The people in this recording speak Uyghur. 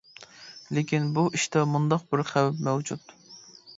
لېكىن، بۇ ئىشتا مۇنداق بىر خەۋپ مەۋجۇت.